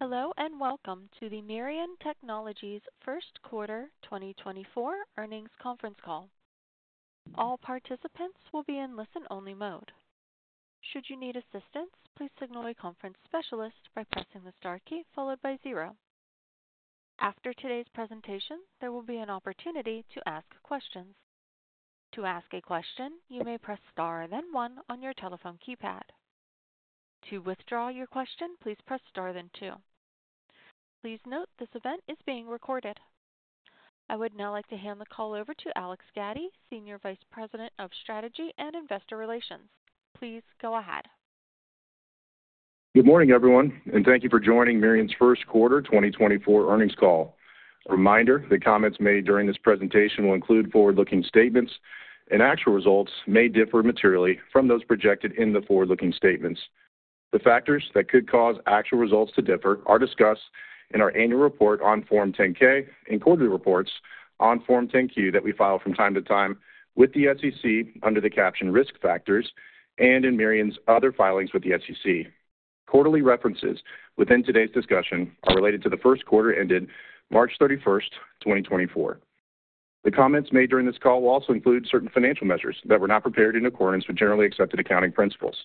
Hello, and welcome to the Mirion Technologies First Quarter 2024 Earnings Conference Call. All participants will be in listen-only mode. Should you need assistance, please signal a conference specialist by pressing the star key followed by zero. After today's presentation, there will be an opportunity to ask questions. To ask a question, you may press star, then one on your telephone keypad. To withdraw your question, please press star then two. Please note, this event is being recorded. I would now like to hand the call over to Alex Gaddy, Senior Vice President of Strategy and Investor Relations. Please go ahead. Good morning, everyone, and thank you for joining Mirion's First Quarter 2024 Earnings Call. A reminder, the comments made during this presentation will include forward-looking statements, and actual results may differ materially from those projected in the forward-looking statements. The factors that could cause actual results to differ are discussed in our annual report on Form 10-K and quarterly reports on Form 10-Q that we file from time to time with the SEC under the caption Risk Factors and in Mirion's other filings with the SEC. Quarterly references within today's discussion are related to the first quarter ended March 31, 2024. The comments made during this call will also include certain financial measures that were not prepared in accordance with generally accepted accounting principles.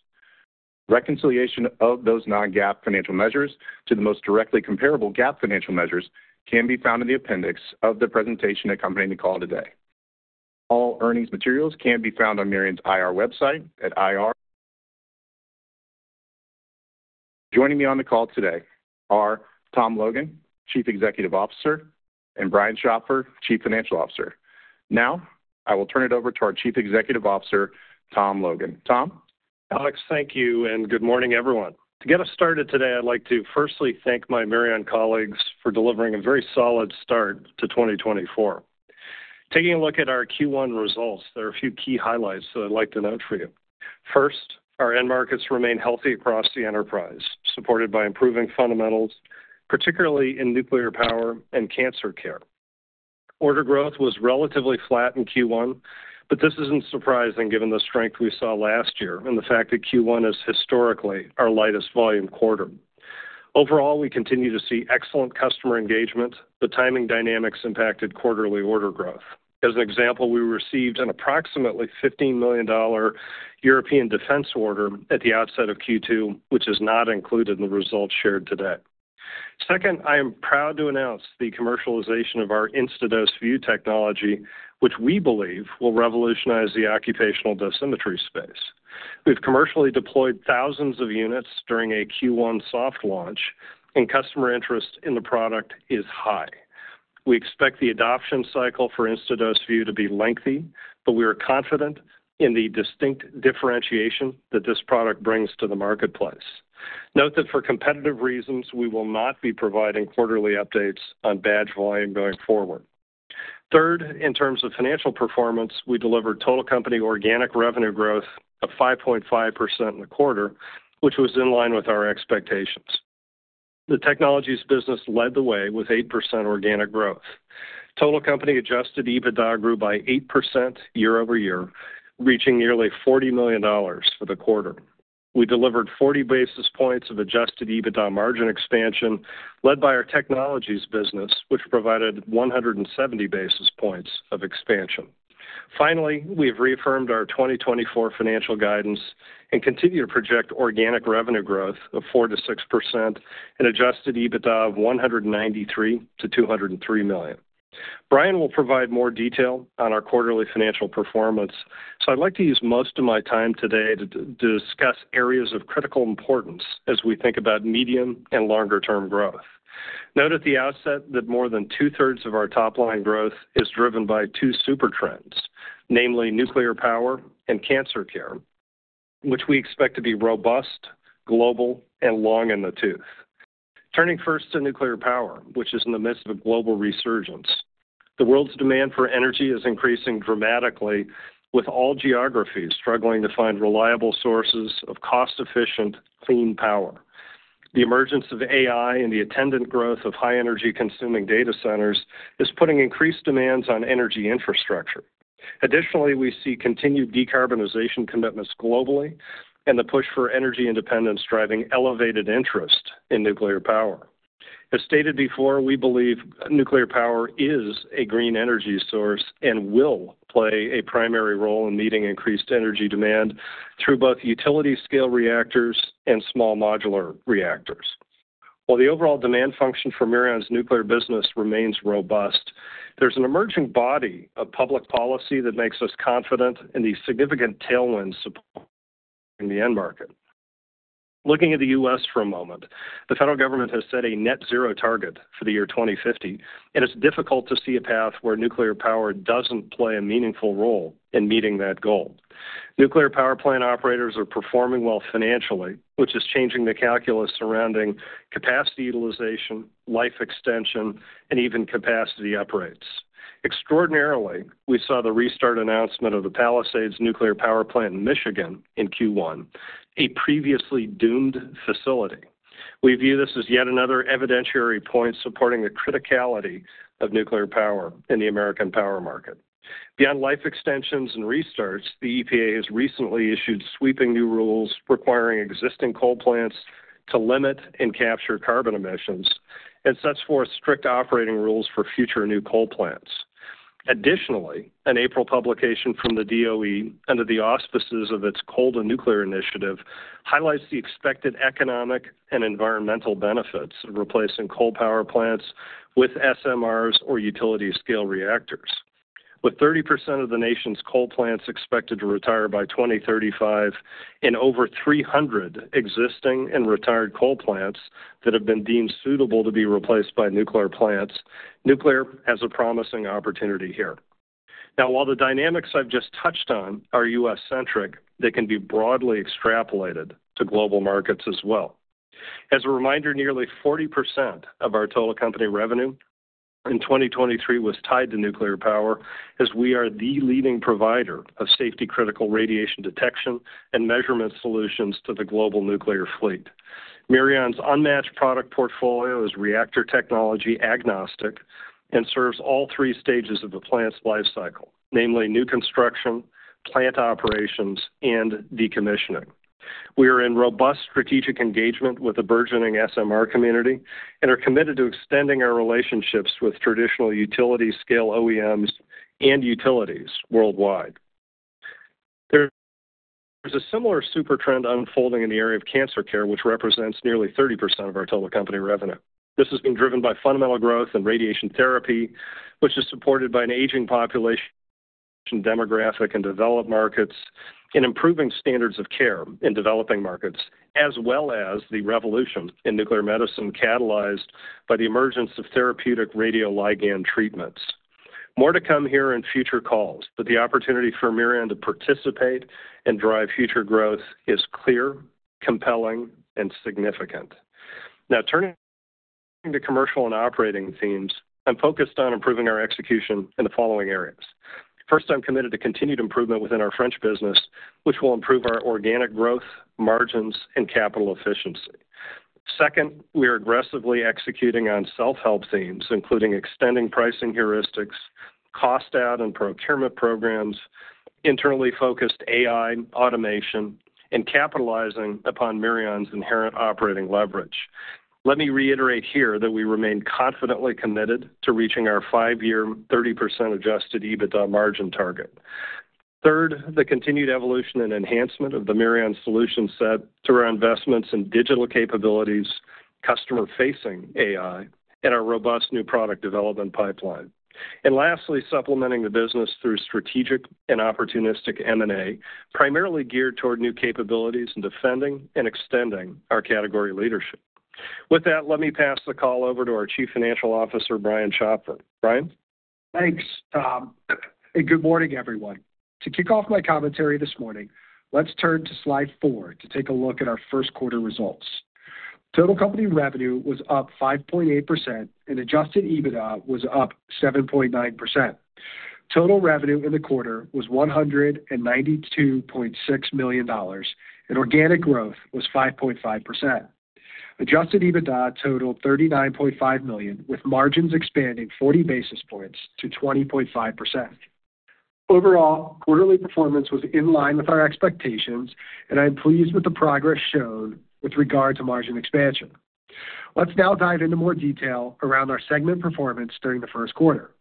Reconciliation of those non-GAAP financial measures to the most directly comparable GAAP financial measures can be found in the appendix of the presentation accompanying the call today. All earnings materials can be found on Mirion's IR website at IR. Joining me on the call today are Tom Logan, Chief Executive Officer, and Brian Schopfer, Chief Financial Officer. Now, I will turn it over to our Chief Executive Officer, Tom Logan. Tom? Alex, thank you, and good morning, everyone. To get us started today, I'd like to firstly thank my Mirion colleagues for delivering a very solid start to 2024. Taking a look at our Q1 results, there are a few key highlights that I'd like to note for you. First, our end markets remain healthy across the enterprise, supported by improving fundamentals, particularly in nuclear power and cancer care. Order growth was relatively flat in Q1, but this isn't surprising given the strength we saw last year and the fact that Q1 is historically our lightest volume quarter. Overall, we continue to see excellent customer engagement. The timing dynamics impacted quarterly order growth. As an example, we received an approximately $15 million European defense order at the outset of Q2, which is not included in the results shared today. Second, I am proud to announce the commercialization of our InstadoseVUE technology, which we believe will revolutionize the occupational dosimetry space. We've commercially deployed thousands of units during a Q1 soft launch, and customer interest in the product is high. We expect the adoption cycle for InstadoseVUE to be lengthy, but we are confident in the distinct differentiation that this product brings to the marketplace. Note that for competitive reasons, we will not be providing quarterly updates on badge volume going forward. Third, in terms of financial performance, we delivered total company organic revenue growth of 5.5% in the quarter, which was in line with our expectations. The technologies business led the way with 8% organic growth. Total company Adjusted EBITDA grew by 8% year-over-year, reaching nearly $40 million for the quarter. We delivered 40 basis points of adjusted EBITDA margin expansion, led by our technologies business, which provided 170 basis points of expansion. Finally, we have reaffirmed our 2024 financial guidance and continue to project organic revenue growth of 4%-6% and adjusted EBITDA of $193 million to $203 million. Brian will provide more detail on our quarterly financial performance, so I'd like to use most of my time today to discuss areas of critical importance as we think about medium- and longer-term growth. Note at the outset that more than two-thirds of our top-line growth is driven by two super trends, namely nuclear power and cancer care, which we expect to be robust, global, and long in the tooth. Turning first to nuclear power, which is in the midst of a global resurgence, the world's demand for energy is increasing dramatically, with all geographies struggling to find reliable sources of cost-efficient, clean power. The emergence of AI and the attendant growth of high energy-consuming data centers is putting increased demands on energy infrastructure. Additionally, we see continued decarbonization commitments globally and the push for energy independence, driving elevated interest in nuclear power. As stated before, we believe nuclear power is a green energy source and will play a primary role in meeting increased energy demand through both utility scale reactors and small modular reactors. While the overall demand function for Mirion's nuclear business remains robust, there's an emerging body of public policy that makes us confident in the significant tailwinds support in the end market. Looking at the U.S. for a moment, the federal government has set a net zero target for the year 2050, and it's difficult to see a path where nuclear power doesn't play a meaningful role in meeting that goal. Nuclear power plant operators are performing well financially, which is changing the calculus surrounding capacity utilization, life extension, and even capacity upgrades. Extraordinarily, we saw the restart announcement of the Palisades Nuclear Power Plant in Michigan in Q1, a previously doomed facility. We view this as yet another evidentiary point supporting the criticality of nuclear power in the American power market. Beyond life extensions and restarts, the EPA has recently issued sweeping new rules requiring existing coal plants to limit and capture carbon emissions, and sets forth strict operating rules for future new coal plants. Additionally, an April publication from the DOE, under the auspices of its coal and nuclear initiative, highlights the expected economic and environmental benefits of replacing coal power plants with SMRs or utility scale reactors. With 30% of the nation's coal plants expected to retire by 2035, and over 300 existing and retired coal plants that have been deemed suitable to be replaced by nuclear plants, nuclear has a promising opportunity here. Now, while the dynamics I've just touched on are U.S.-centric, they can be broadly extrapolated to global markets as well. As a reminder, nearly 40% of our total company revenue in 2023 was tied to nuclear power, as we are the leading provider of safety-critical radiation detection and measurement solutions to the global nuclear fleet. Mirion's unmatched product portfolio is reactor technology agnostic and serves all three stages of a plant's life cycle, namely new construction, plant operations, and decommissioning. We are in robust strategic engagement with the burgeoning SMR community and are committed to extending our relationships with traditional utility scale OEMs and utilities worldwide. There's a similar super trend unfolding in the area of cancer care, which represents nearly 30% of our total company revenue. This has been driven by fundamental growth in radiation therapy, which is supported by an aging population demographic in developed markets, and improving standards of care in developing markets, as well as the revolution in nuclear medicine, catalyzed by the emergence of therapeutic radioligand treatments. More to come here in future calls, but the opportunity for Mirion to participate and drive future growth is clear, compelling, and significant. Now turning to commercial and operating themes, I'm focused on improving our execution in the following areas. First, I'm committed to continued improvement within our French business, which will improve our organic growth, margins, and capital efficiency. Second, we are aggressively executing on self-help themes, including extending pricing heuristics, cost out and procurement programs, internally focused AI automation, and capitalizing upon Mirion's inherent operating leverage. Let me reiterate here that we remain confidently committed to reaching our five-year, 30% Adjusted EBITDA margin target. Third, the continued evolution and enhancement of the Mirion solution set through our investments in digital capabilities, customer-facing AI, and our robust new product development pipeline. And lastly, supplementing the business through strategic and opportunistic M&A, primarily geared toward new capabilities in defending and extending our category leadership. With that, let me pass the call over to our Chief Financial Officer, Brian Schopfer. Brian? Thanks, Tom, and good morning, everyone. To kick off my commentary this morning, let's turn to Slide four to take a look at our first quarter results. Total company revenue was up 5.8% and adjusted EBITDA was up 7.9%. Total revenue in the quarter was $192.6 million, and organic growth was 5.5%. Adjusted EBITDA totaled $39.5 million, with margins expanding 40 basis points to 20.5%. Overall, quarterly performance was in line with our expectations, and I'm pleased with the progress shown with regard to margin expansion. Let's now dive into more detail around our segment performance during the first quarter.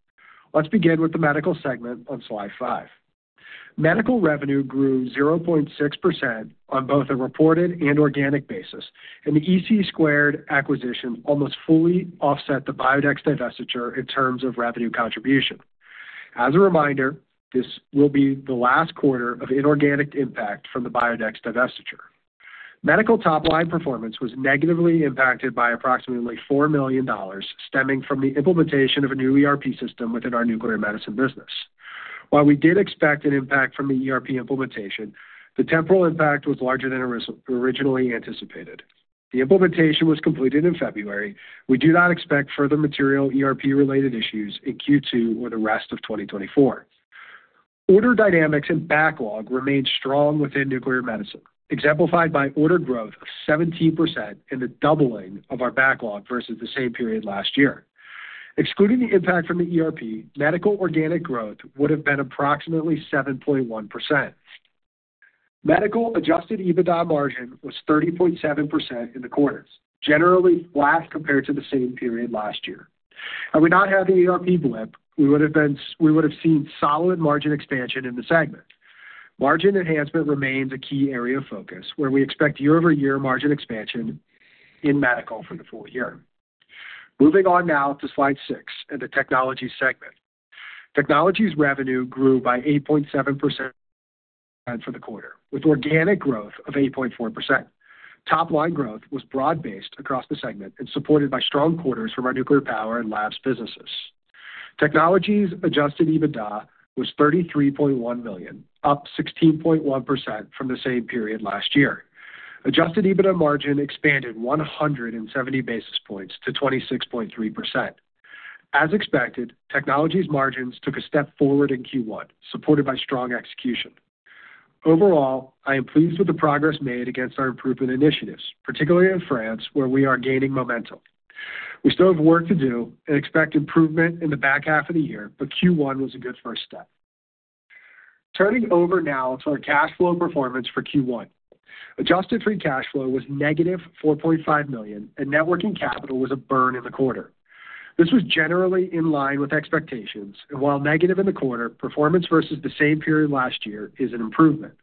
Let's begin with the medical segment on Slide five. Medical revenue grew 0.6% on both a reported and organic basis, and the EC2 acquisition almost fully offset the Biodex divestiture in terms of revenue contribution. As a reminder, this will be the last quarter of inorganic impact from the Biodex divestiture. Medical top-line performance was negatively impacted by approximately $4 million, stemming from the implementation of a new ERP system within our nuclear medicine business. While we did expect an impact from the ERP implementation, the temporal impact was larger than originally anticipated. The implementation was completed in February. We do not expect further material ERP-related issues in Q2 or the rest of 2024. Order dynamics and backlog remained strong within nuclear medicine, exemplified by order growth of 17% and the doubling of our backlog versus the same period last year. Excluding the impact from the ERP, medical organic growth would have been approximately 7.1%. Medical Adjusted EBITDA margin was 30.7% in the quarters, generally flat compared to the same period last year. Had we not had the ERP blip, we would have seen solid margin expansion in the segment. Margin enhancement remains a key area of focus, where we expect year-over-year margin expansion in medical for the full year. Moving on now to Slide six and the Technologies segment. Technologies revenue grew by 8.7% for the quarter, with organic growth of 8.4%. Top-line growth was broad-based across the segment and supported by strong quarters from our nuclear power and labs businesses. Technologies Adjusted EBITDA was $33.1 million, up 16.1% from the same period last year. Adjusted EBITDA margin expanded 170 basis points to 26.3%. As expected, technologies margins took a step forward in Q1, supported by strong execution. Overall, I am pleased with the progress made against our improvement initiatives, particularly in France, where we are gaining momentum. We still have work to do and expect improvement in the back half of the year, but Q1 was a good first step. Turning over now to our cash flow performance for Q1. Adjusted free cash flow was negative $4.5 million, and net working capital was a burn in the quarter. This was generally in line with expectations, and while negative in the quarter, performance versus the same period last year is an improvement.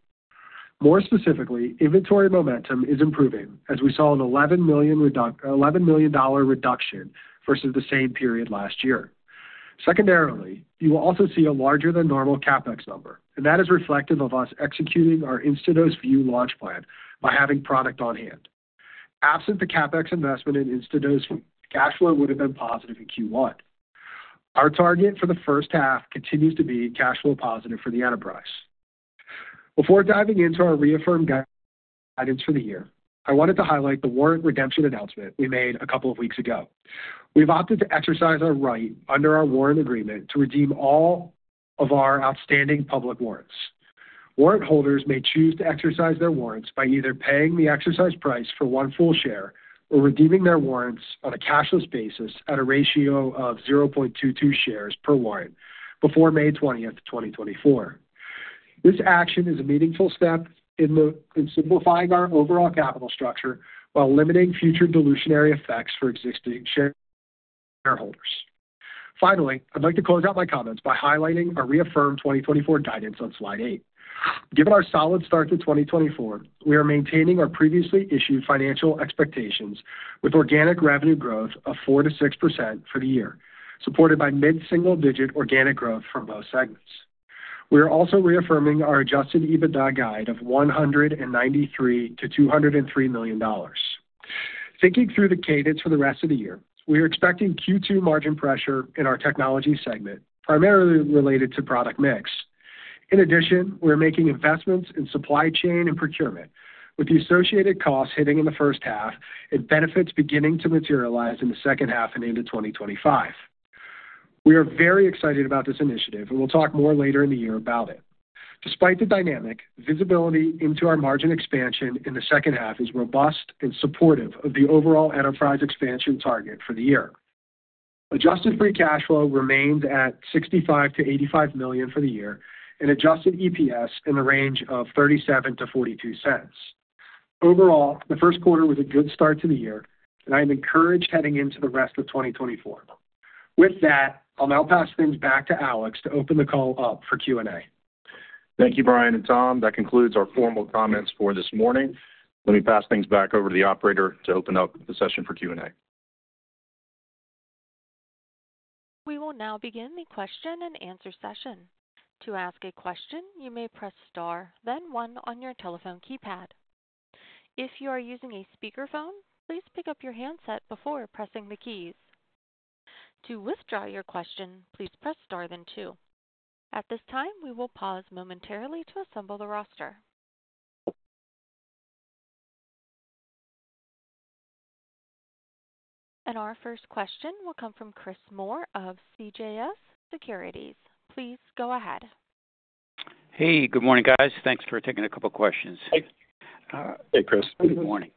More specifically, inventory momentum is improving as we saw an $11 million dollar reduction versus the same period last year. Secondarily, you will also see a larger than normal CapEx number, and that is reflective of us executing our InstadoseVUE launch plan by having product on hand. Absent the CapEx investment in InstadoseVUE, cash flow would have been positive in Q1. Our target for the first half continues to be cash flow positive for the enterprise. Before diving into our reaffirmed guidance for the year, I wanted to highlight the warrant redemption announcement we made a couple of weeks ago. We've opted to exercise our right under our warrant agreement to redeem all of our outstanding public warrants. Warrant holders may choose to exercise their warrants by either paying the exercise price for one full share or redeeming their warrants on a cashless basis at a ratio of 0.22 shares per warrant before May 20, 2024. This action is a meaningful step in simplifying our overall capital structure while limiting future dilutionary effects for existing shareholders. Finally, I'd like to close out my comments by highlighting our reaffirmed 2024 guidance on Slide eight. Given our solid start to 2024, we are maintaining our previously issued financial expectations with organic revenue growth of 4%-6% for the year, supported by mid-single-digit organic growth from both segments. We are also reaffirming our Adjusted EBITDA guide of $193 million to $203 million. Thinking through the cadence for the rest of the year, we are expecting Q2 margin pressure in our technology segment, primarily related to product mix. In addition, we're making investments in supply chain and procurement, with the associated costs hitting in the first half and benefits beginning to materialize in the second half and into 2025. We are very excited about this initiative, and we'll talk more later in the year about it. Despite the dynamic, visibility into our margin expansion in the second half is robust and supportive of the overall enterprise expansion target for the year. Adjusted free cash flow remains at $65 million to $85 million for the year, and Adjusted EPS in the range of $0.37-$0.42. Overall, the first quarter was a good start to the year, and I am encouraged heading into the rest of 2024. With that, I'll now pass things back to Alex to open the call up for Q&A. Thank you, Brian and Tom. That concludes our formal comments for this morning. Let me pass things back over to the operator to open up the session for Q&A. We will now begin the Q&A session. To ask a question, you may press star, then one on your telephone keypad. If you are using a speakerphone, please pick up your handset before pressing the keys. To withdraw your question, please press star then two. At this time, we will pause momentarily to assemble the roster. Our first question will come from Chris Moore of CJS Securities. Please go ahead. Hey, good morning, guys. Thanks for taking a couple of questions. Hey, Chris. Good morning.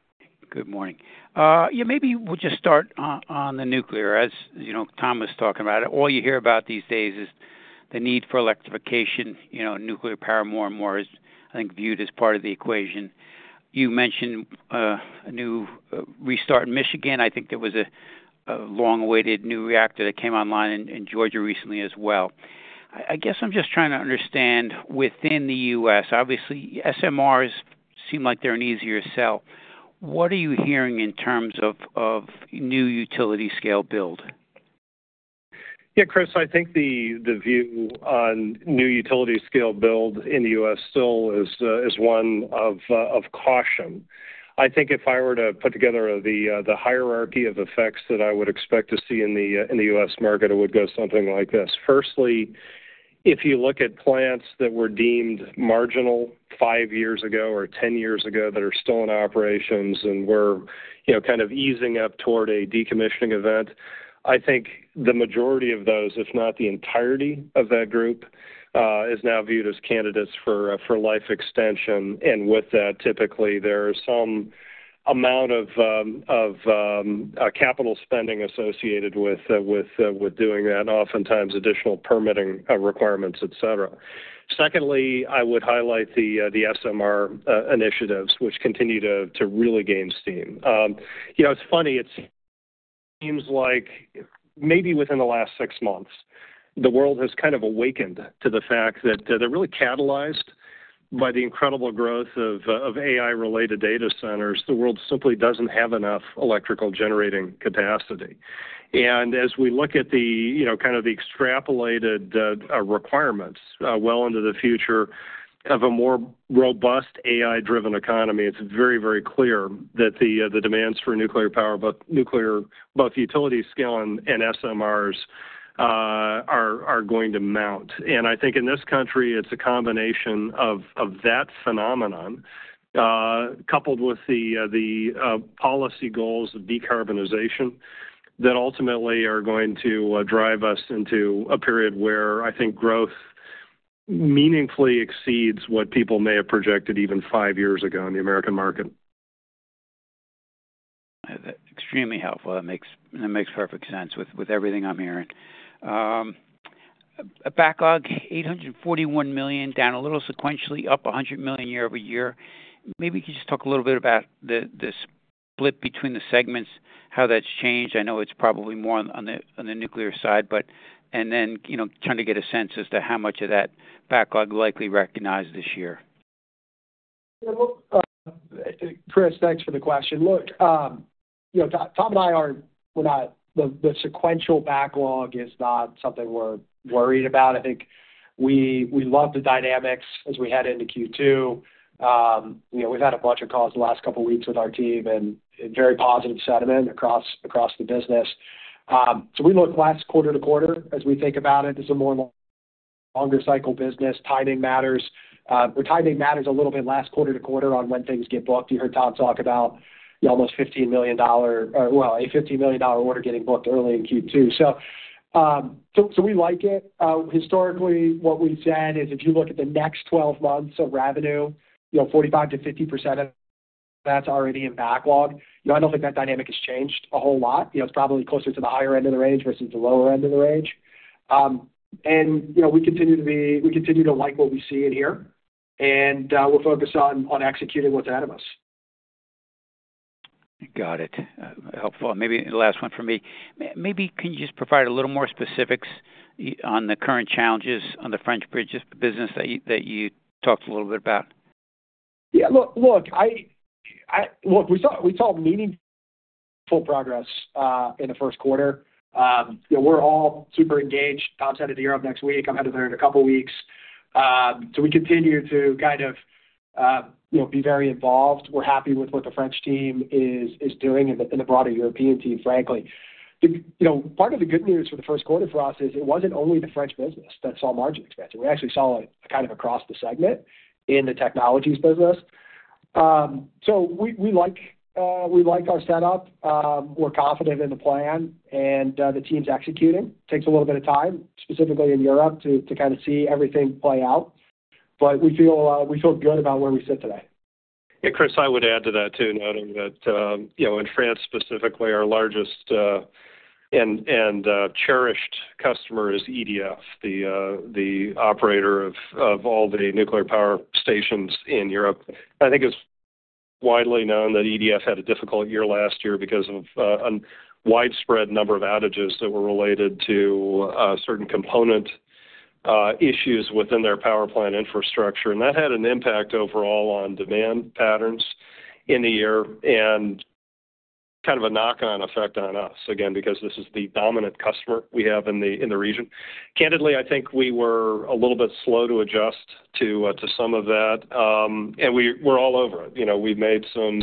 Good morning. Yeah, maybe we'll just start on the nuclear. As you know, Tom was talking about it. All you hear about these days is the need for electrification, you know, nuclear power more and more is, I think, viewed as part of the equation. You mentioned a new restart in Michigan. I think there was a long-awaited new reactor that came online in Georgia recently as well. I guess I'm just trying to understand, within the U.S., obviously, SMRs seem like they're an easier sell. What are you hearing in terms of new utility scale build? Yeah, Chris, I think the view on new utility scale build in the U.S. still is one of caution. I think if I were to put together the hierarchy of effects that I would expect to see in the U.S. market, it would go something like this. Firstly, if you look at plants that were deemed marginal 5 years ago or 10 years ago, that are still in operations and were, you know, kind of easing up toward a decommissioning event, I think the majority of those, if not the entirety of that group, is now viewed as candidates for life extension. And with that, typically there is some amount of capital spending associated with doing that, oftentimes additional permitting requirements, et cetera. Secondly, I would highlight the SMR initiatives, which continue to really gain steam. You know, it's funny, it seems like maybe within the last six months, the world has kind of awakened to the fact that they're really catalyzed by the incredible growth of AI-related data centers. The world simply doesn't have enough electrical generating capacity. And as we look at the, you know, kind of the extrapolated requirements well into the future of a more robust AI-driven economy, it's very, very clear that the demands for nuclear power, both utility scale and SMRs, are going to mount. And I think in this country, it's a combination of that phenomenon coupled with the policy goals of decarbonization that ultimately are going to, drive us into a period where I think growth meaningfully exceeds what people may have projected even five years ago in the American market. Extremely helpful. That makes perfect sense with everything I'm hearing. Backlog, $841 million, down a little sequentially, up $100 million year-over-year. Maybe you could just talk a little bit about the split between the segments, how that's changed. I know it's probably more on the nuclear side, but, and then, you know, trying to get a sense as to how much of that backlog likely recognized this year. Well, Chris, thanks for the question. Look, you know, Tom and I are we're not the sequential backlog is not something we're worried about. I think we love the dynamics as we head into Q2. You know, we've had a bunch of calls the last couple of weeks with our team, and very positive sentiment across the business. So we look last quarter to quarter as we think about it, as a more longer cycle business, timing matters. The timing matters a little bit last quarter to quarter on when things get booked. You heard Tom talk about the almost $15 million, or well, a $15 million order getting booked early in Q2. So, so we like it. Historically, what we've said is, if you look at the next 12 months of revenue, you know, 45%-50%, that's already in backlog. You know, I don't think that dynamic has changed a whole lot. You know, it's probably closer to the higher end of the range versus the lower end of the range. And, you know, we continue to like what we see in here, and we're focused on executing what's out of us. Got it. Helpful. Maybe the last one for me. Maybe, can you just provide a little more specifics on the current challenges on the French business that you talked a little bit about? Look, we saw meaningful progress in the first quarter. You know, we're all super engaged. Tom's headed to Europe next week. I'm headed there in a couple of weeks. So we continue to kind of, you know, be very involved. We're happy with what the French team is doing and the broader European team, frankly. You know, part of the good news for the first quarter for us is it wasn't only the French business that saw margin expansion. We actually saw it kind of across the segment in the technologies business. So we like our setup. We're confident in the plan, and the team's executing. Takes a little bit of time, specifically in Europe, to kind of see everything play out, but we feel good about where we sit today. And Chris, I would add to that, too, noting that, you know, in France, specifically, our largest and cherished customer is EDF, the operator of all the nuclear power stations in Europe. I think it's widely known that EDF had a difficult year last year because of a widespread number of outages that were related to certain component issues within their power plant infrastructure. And that had an impact overall on demand patterns in the year and kind of a knock-on effect on us, again, because this is the dominant customer we have in the region. Candidly, I think we were a little bit slow to adjust to some of that, and we're all over it. You know, we've made some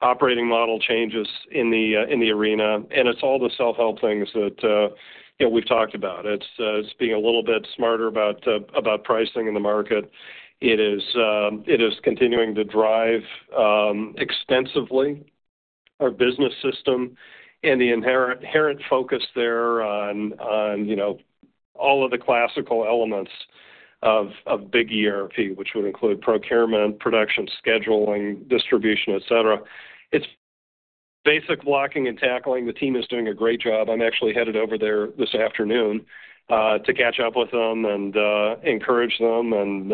operating model changes in the arena, and it's all the self-help things that, you know, we've talked about. It's being a little bit smarter about pricing in the market. It is continuing to drive extensively our business system and the inherent focus there on, you know, all of the classical elements of big ERP, which would include procurement, production, scheduling, distribution, et cetera. It's basic blocking and tackling. The team is doing a great job. I'm actually headed over there this afternoon to catch up with them and encourage them and,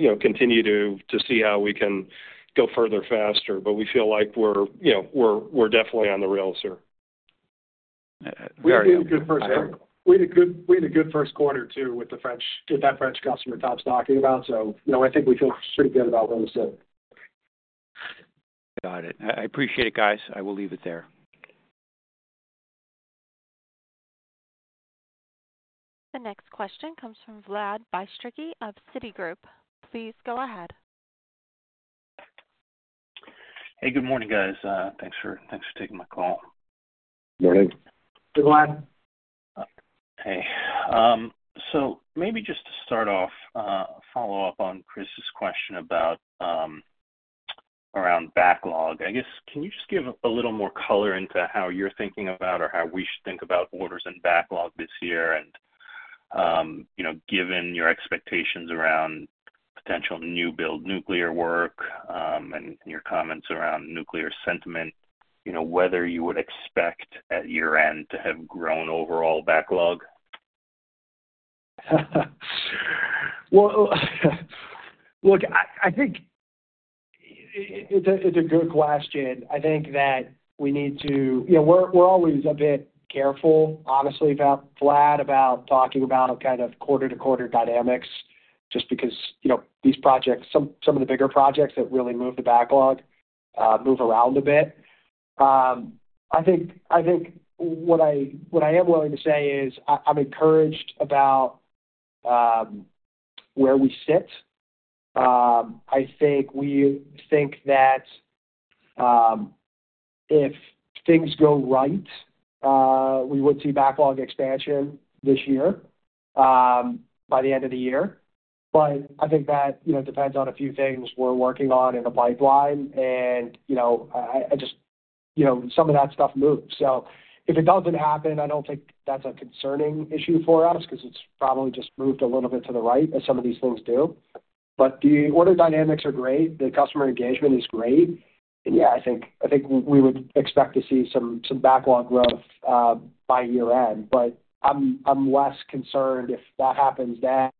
you know, continue to see how we can go further, faster. But we feel like we're, you know, we're definitely on the rails here. We had a good first quarter. We had a good, we had a good first quarter, too, with the French with that French customer Tom's talking about. So, you know, I think we feel pretty good about where we sit. Got it. I appreciate it, guys. I will leave it there. The next question comes from Vlad Bystricky of Citigroup. Please go ahead. Hey, good morning, guys. Thanks for taking my call. Good morning. Hey, Vlad. Hey, so maybe just to start off, follow up on Chris's question about around backlog. I guess, can you just give a little more color into how you're thinking about or how we should think about orders and backlog this year? And, you know, given your expectations around potential new build nuclear work, and your comments around nuclear sentiment, you know, whether you would expect at year-end to have grown overall backlog? Well, look, I think it's a good question. I think that we need to. You know, we're always a bit careful, honestly, about Vlad, about talking about a kind of quarter-to-quarter dynamics, just because, you know, these projects, some of the bigger projects that really move the backlog, move around a bit. I think what I am willing to say is I'm encouraged about where we sit. I think we think that if things go right we would see backlog expansion this year, by the end of the year. But I think that, you know, depends on a few things we're working on in the pipeline. And, you know, I just, you know, some of that stuff moves. So if it doesn't happen, I don't think that's a concerning issue for us, 'cause it's probably just moved a little bit to the right, as some of these things do. But the order dynamics are great. The customer engagement is great. Yeah, I think we would expect to see some backlog growth by year-end, but I'm less concerned if that happens then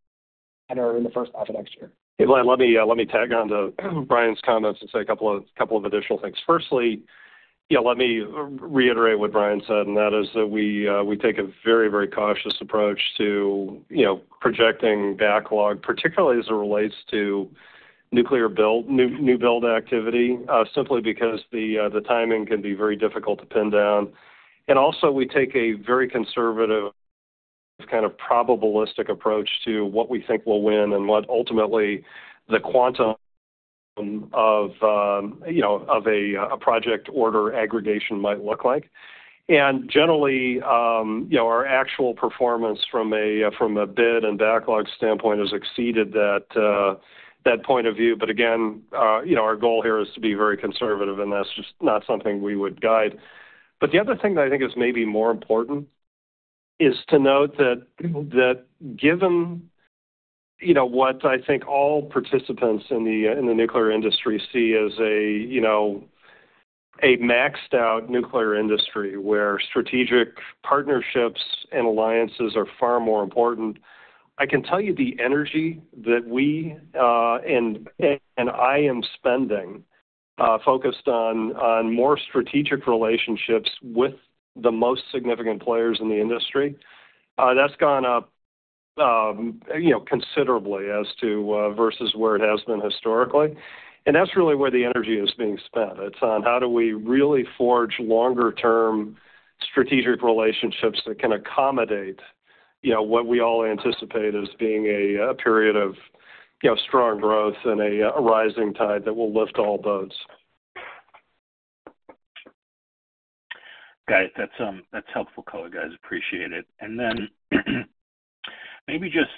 or in the first half of next year. Hey, Glenn, let me, let me tag on to Brian's comments and say a couple of, couple of additional things. Firstly, yeah, let me reiterate what Brian said, and that is that we, we take a very, very cautious approach to, you know, projecting backlog, particularly as it relates to nuclear build new, new build activity, simply because the, the timing can be very difficult to pin down. And also, we take a very conservative kind of probabilistic approach to what we think will win and what ultimately the quantum of, you know, of a, project order aggregation might look like. And generally, you know, our actual performance from a, from a bid and backlog standpoint has exceeded that, that point of view. But again, you know, our goal here is to be very conservative, and that's just not something we would guide. But the other thing that I think is maybe more important is to note that given, you know, what I think all participants in the nuclear industry see as a, you know, a maxed out nuclear industry where strategic partnerships and alliances are far more important. I can tell you the energy that we and I am spending focused on more strategic relationships with the most significant players in the industry, that's gone up, you know, considerably as to versus where it has been historically. And that's really where the energy is being spent. It's on how do we really forge longer-term strategic relationships that can accommodate, you know, what we all anticipate as being a period of, you know, strong growth and a rising tide that will lift all boats. Got it. That's, that's helpful color, guys. Appreciate it. And then, maybe just,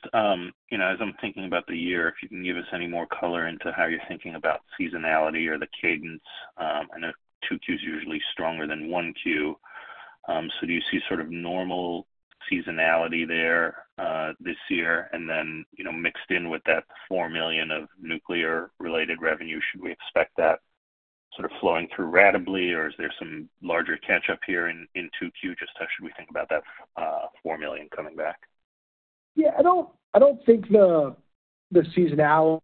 you know, as I'm thinking about the year, if you can give us any more color into how you're thinking about seasonality or the cadence. I know 2Q is usually stronger than 1Q. So do you see sort of normal seasonality there, this year? And then, you know, mixed in with that $4 million of nuclear-related revenue, should we expect that sort of flowing through ratably, or is there some larger catch-up here in, in 2Q? Just how should we think about that, $4 million coming back? Yeah, I don't think the seasonality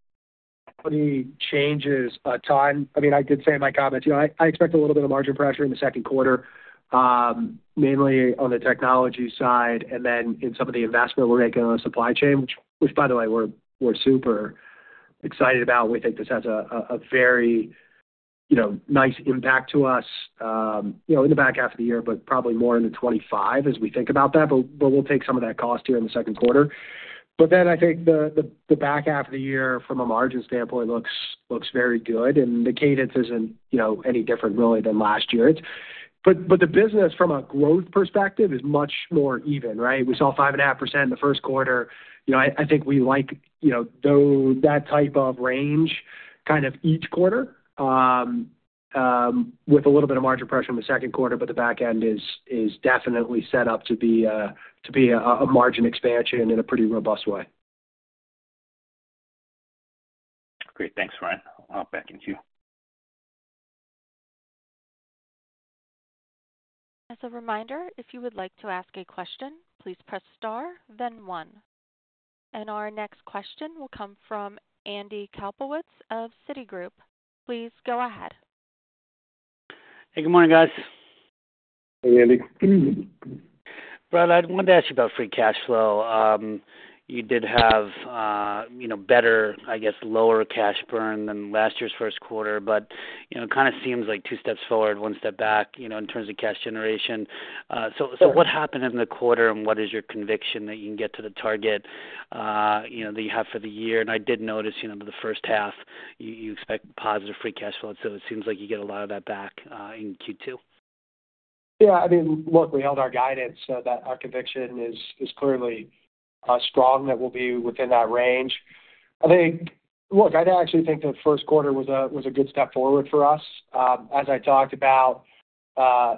changes a ton. I mean, I did say in my comments, you know, I expect a little bit of margin pressure in the second quarter, mainly on the technology side and then in some of the investment we're making on the supply chain, which, by the way, we're super excited about. We think this has a very, you know, nice impact to us, you know, in the back half of the year, but probably more into 25 as we think about that. But we'll take some of that cost here in the second quarter. But then I think the back half of the year from a margin standpoint looks very good, and the cadence isn't, you know, any different really than last year. But the business from a growth perspective is much more even, right? We saw 5.5% in the first quarter. You know, I think we like, you know, though, that type of range, kind of each quarter, with a little bit of margin pressure in the second quarter, but the back end is definitely set up to be a margin expansion in a pretty robust way. Great. Thanks, Brian. I'll hop back into you. As a reminder, if you would like to ask a question, please press star, then one. Our next question will come from Andy Kaplowitz of Citigroup. Please go ahead. Hey, good morning, guys. Hey, Andy. Brian, I wanted to ask you about free cash flow. You did have, you know, better, I guess, lower cash burn than last year's first quarter. But, you know, it kind of seems like two steps forward, one step back, you know, in terms of cash generation. So, so what happened in the quarter, and what is your conviction that you can get to the target, you know, that you have for the year? And I did notice, you know, in the first half, you expect positive free cash flow. So it seems like you get a lot of that back, in Q2. Yeah, I mean, look, we held our guidance that our conviction is clearly strong that we'll be within that range. I think look, I'd actually think the first quarter was a good step forward for us. As I talked about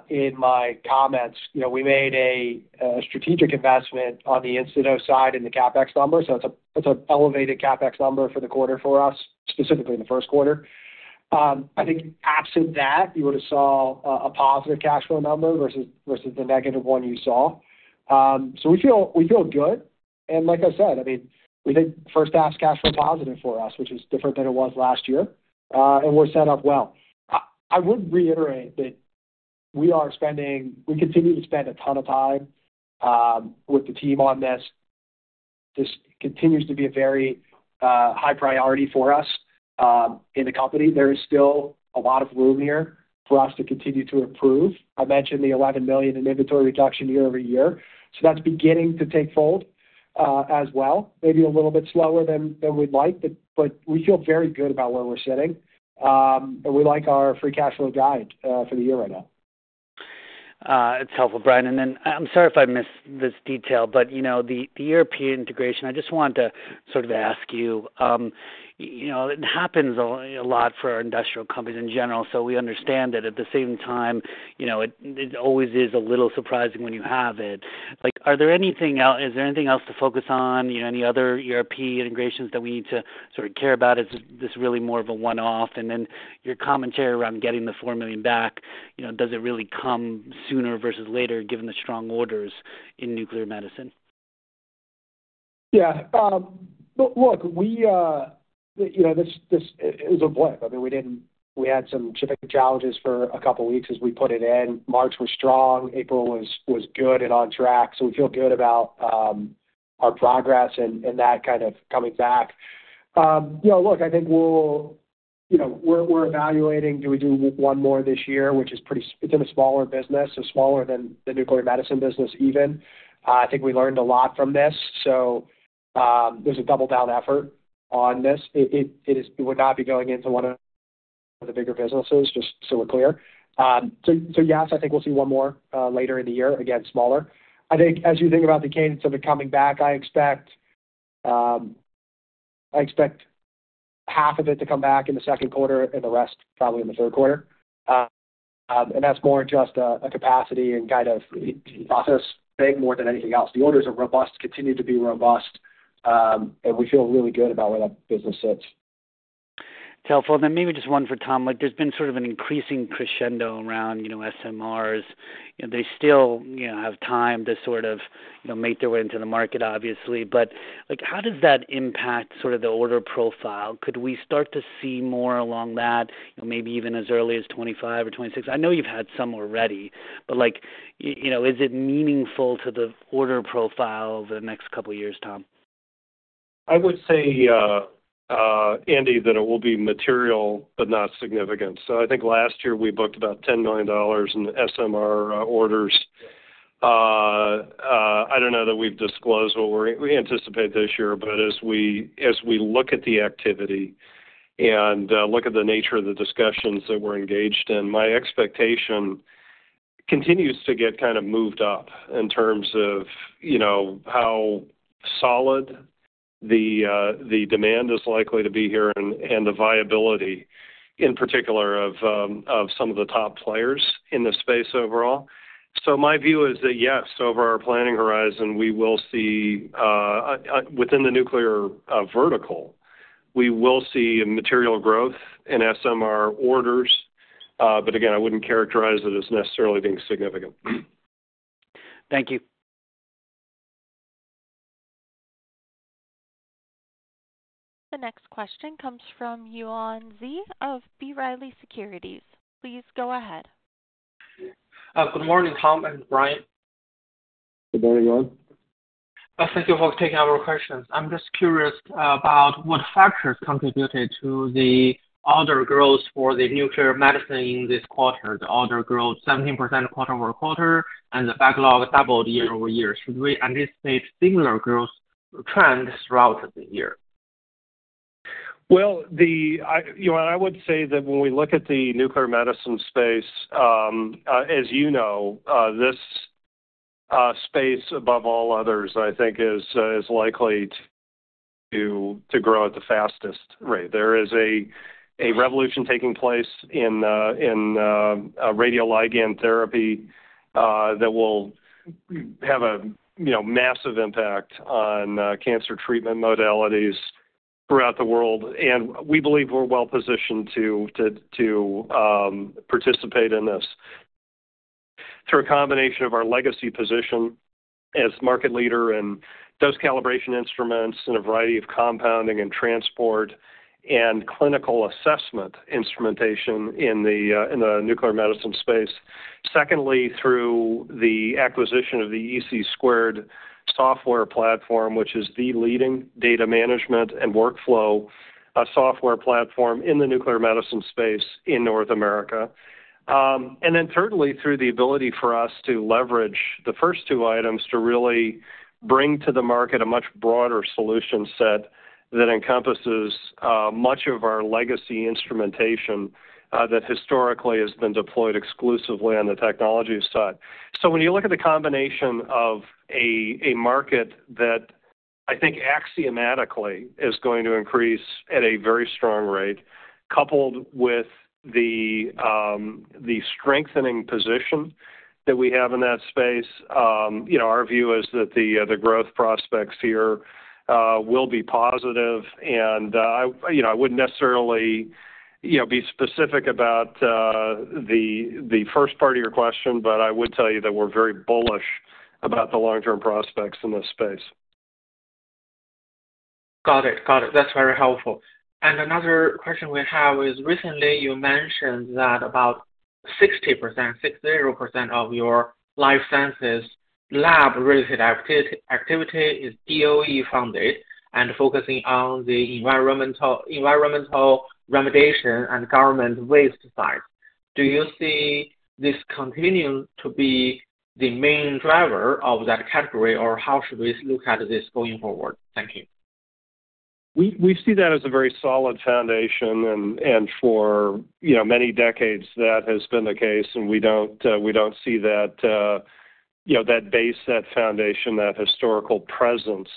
in my comments, you know, we made a strategic investment on the in situ side in the CapEx number, so it's an elevated CapEx number for the quarter for us, specifically in the first quarter. I think absent that, you would have saw a positive cash flow number versus the negative one you saw. So we feel good. And like I said, I mean, we think first half's cash flow positive for us, which is different than it was last year, and we're set up well. I would reiterate that we are spending we continue to spend a ton of time with the team on this. This continues to be a very high priority for us in the company. There is still a lot of room here for us to continue to improve. I mentioned the $11 million in inventory reduction year-over-year, so that's beginning to take hold as well. Maybe a little bit slower than we'd like, but we feel very good about where we're sitting. And we like our free cash flow guide for the year right now. It's helpful, Brian. And then I'm sorry if I missed this detail, but, you know, the European integration, I just wanted to sort of ask you, you know, it happens a lot for industrial companies in general, so we understand that at the same time, you know, it always is a little surprising when you have it. Like, are there anything else is there anything else to focus on? You know, any other European integrations that we need to sort of care about? Is this really more of a one-off? And then your commentary around getting the $4 million back, you know, does it really come sooner versus later, given the strong orders in nuclear medicine? Yeah, look, we, you know, this, this is a blip. I mean, we didn't. We had some shipping challenges for a couple of weeks as we put it in. March was strong, April was good and on track, so we feel good about our progress and that kind of coming back. You know, look, I think we'll, you know, we're evaluating, do we do one more this year, which is pretty. It's in a smaller business, so smaller than the nuclear medicine business, even. I think we learned a lot from this, so there's a double down effort on this. It is. We would not be going into one of the bigger businesses, just so we're clear. So, yes, I think we'll see one more later in the year. Again, smaller. I think as you think about the cadence of it coming back, I expect, I expect half of it to come back in the second quarter and the rest probably in the third quarter. And that's more just a capacity and kind of process thing more than anything else. The orders are robust, continue to be robust, and we feel really good about where that business sits. Tell full, then maybe just one for Tom. Like, there's been sort of an increasing crescendo around, you know, SMRs. They still, you know, have time to sort of, you know, make their way into the market, obviously. But, like, how does that impact sort of the order profile? Could we start to see more along that, you know, maybe even as early as 2025 or 2026? I know you've had some already, but like, you know, is it meaningful to the order profile the next couple of years, Tom? I would say, Andy, that it will be material, but not significant. So I think last year we booked about $10 million in SMR orders. I don't know that we've disclosed what we're- we anticipate this year, but as we, as we look at the activity and look at the nature of the discussions that we're engaged in, my expectation continues to get kind of moved up in terms of, you know, how solid the demand is likely to be here and the viability in particular of some of the top players in the space overall. So my view is that, yes, over our planning horizon, we will see within the nuclear vertical, we will see a material growth in SMR orders. But again, I wouldn't characterize it as necessarily being significant. Thank you. The next question comes from Yuan Zhi of B. Riley Securities. Please go ahead. Good morning, Tom and Brian. Good morning, Yuan. Thank you for taking our questions. I'm just curious about what factors contributed to the order growth for the nuclear medicine in this quarter. The order growth 17% quarter-over-quarter, and the backlog doubled year-over-year. Should we anticipate similar growth trends throughout the year? Well, you know, I would say that when we look at the nuclear medicine space, as you know, this space, above all others, I think is likely to grow at the fastest rate. There is a revolution taking place in radioligand therapy that will have a massive impact on cancer treatment modalities throughout the world. And we believe we're well positioned to participate in this. Through a combination of our legacy position as market leader in dose calibration instruments and a variety of compounding and transport and clinical assessment instrumentation in the nuclear medicine space. Secondly, through the acquisition of the EC2 software platform, which is the leading data management and workflow software platform in the nuclear medicine space in North America. And then thirdly, through the ability for us to leverage the first two items to really bring to the market a much broader solution set that encompasses much of our legacy instrumentation that historically has been deployed exclusively on the technology side. So when you look at the combination of a market that I think axiomatically is going to increase at a very strong rate, coupled with the strengthening position that we have in that space, you know, our view is that the growth prospects here will be positive. And I, you know, I wouldn't necessarily be specific about the first part of your question, but I would tell you that we're very bullish about the long-term prospects in this space. Got it. Got it. That's very helpful. Another question we have is, recently, you mentioned that about 60%, 60% of your life sciences lab-related activity is DOE funded and focusing on the environmental remediation and government waste sites. Do you see this continuing to be the main driver of that category, or how should we look at this going forward? Thank you. We see that as a very solid foundation, and for, you know, many decades, that has been the case, and we don't see that, you know, that base, that foundation, that historical presence,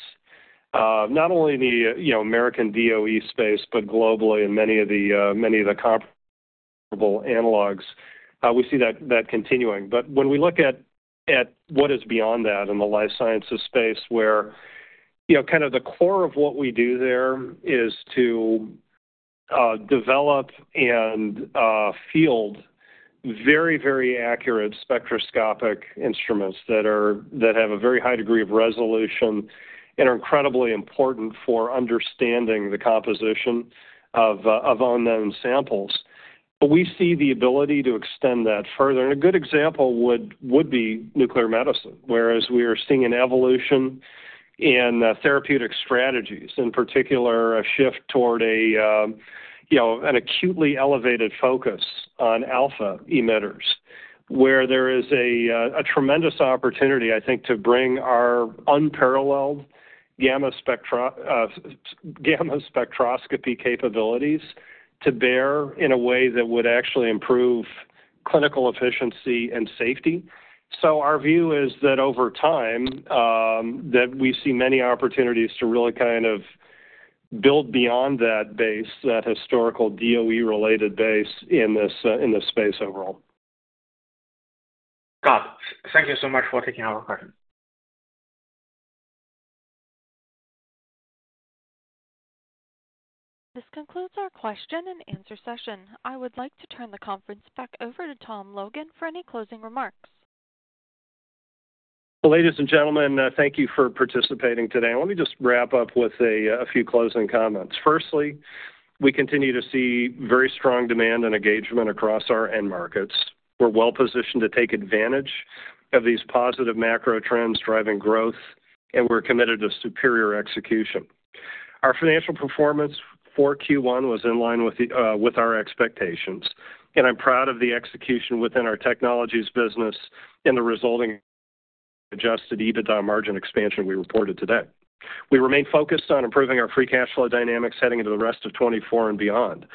not only in the, you know, American DOE space, but globally in many of the, many of the comparable analogs. We see that continuing. But when we look at what is beyond that in the life sciences space, where, you know, kind of the core of what we do there is to develop and field very, very accurate spectroscopic instruments that have a very high degree of resolution and are incredibly important for understanding the composition of unknown samples. But we see the ability to extend that further, and a good example would be nuclear medicine, whereas we are seeing an evolution in therapeutic strategies, in particular, a shift toward a, you know, an acutely elevated focus on alpha emitters, where there is a tremendous opportunity, I think, to bring our unparalleled gamma spectra, gamma spectroscopy capabilities to bear in a way that would actually improve clinical efficiency and safety. So our view is that over time, that we see many opportunities to really kind of build beyond that base, that historical DOE-related base, in this, in this space overall. Got it. Thank you so much for taking our question. This concludes our question and answer session. I would like to turn the conference back over to Tom Logan for any closing remarks. Ladies and gentlemen, thank you for participating today. Let me just wrap up with a few closing comments. Firstly, we continue to see very strong demand and engagement across our end markets. We're well positioned to take advantage of these positive macro trends driving growth, and we're committed to superior execution. Our financial performance for Q1 was in line with the with our expectations, and I'm proud of the execution within our technologies business and the resulting Adjusted EBITDA margin expansion we reported today. We remain focused on improving our free cash flow dynamics heading into the rest of 2024 and beyond.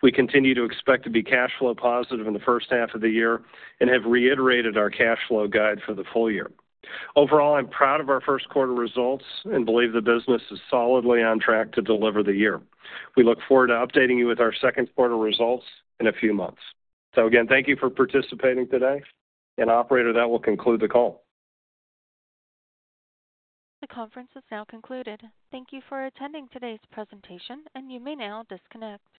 We continue to expect to be cash flow positive in the first half of the year and have reiterated our cash flow guide for the full year. Overall, I'm proud of our first quarter results and believe the business is solidly on track to deliver the year. We look forward to updating you with our second quarter results in a few months. So again, thank you for participating today, and operator, that will conclude the call. The conference is now concluded. Thank you for attending today's presentation, and you may now disconnect.